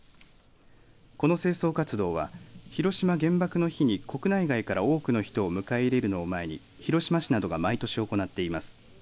この清掃活動は広島原爆の日に国内外から多くの人を迎え入れるのを前に広島市などが毎年行っています。